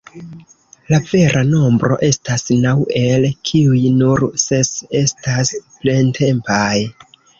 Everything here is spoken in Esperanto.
La vera nombro estas naŭ, el kiuj nur ses estas plentempaj.